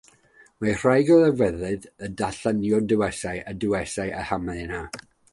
Mae rhai golygfeydd yn darlunio duwiau a duwiesau yn hamddena.